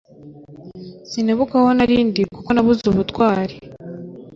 sinibuka aho narindi kuko nabuze ubutwari